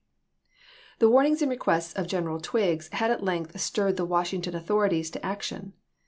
I., p. 504. The warnings and requests of General Twiggs had at length stirred the Washington authorities to action.